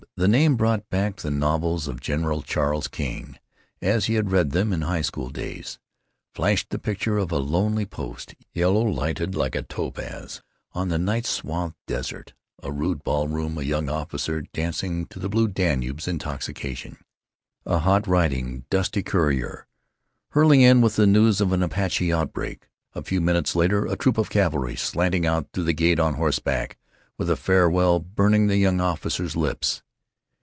The name brought back the novels of General Charles King, as he had read them in high school days; flashed the picture of a lonely post, yellow lighted, like a topaz on the night swathed desert; a rude ball room, a young officer dancing to the "Blue Danube's" intoxication; a hot riding, dusty courier, hurling in with news of an Apache outbreak; a few minutes later a troop of cavalry slanting out through the gate on horseback, with a farewell burning the young officer's lips....